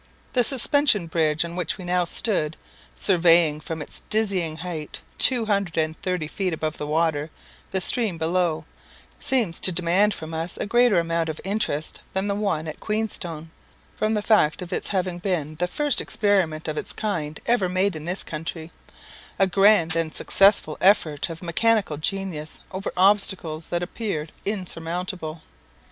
The Suspension Bridge on which we now stood surveying from its dizzy height, two hundred and thirty feet above the water, the stream below seems to demand from us a greater amount of interest than the one at Queenstone, from the fact of its having been the first experiment of the kind ever made in this country, a grand and successful effort of mechanical genius over obstacles that appeared insurmountable.